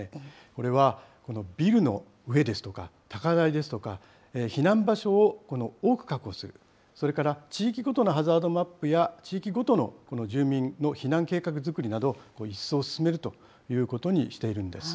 これはビルの上ですとか、高台ですとか、避難場所を多く確保する、それから地域ごとのハザードマップや、地域ごとの住民の避難計画づくりなど、一層進めるということにしているんです。